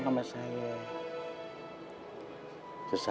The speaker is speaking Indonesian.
sesama muslim kan kita seharusnya saling berbicara